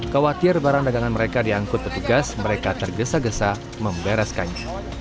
khawatir barang dagangan mereka diangkut petugas mereka tergesa gesa membereskannya